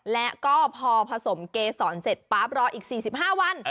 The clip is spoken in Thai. และก็พอผสมเกษรเสร็จปั๊บรออีก๔๕วัน